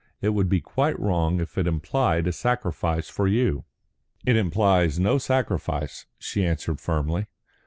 It would be quite wrong if it implied a sacrifice for you." "It implies no sacrifice," she answered firmly.